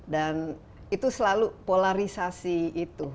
dan itu selalu polarisasi itu